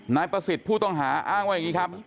นายประสิทธิ์ผู้ต้องหาอ้างว่าอย่างนี้ครับ